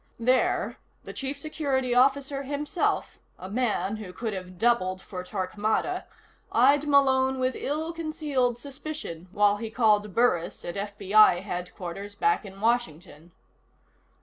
There, the Chief Security Officer himself, a man who could have doubled for Torquemada, eyed Malone with ill concealed suspicion while he called Burris at FBI headquarters back in Washington.